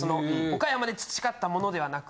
岡山で培ったものではなく。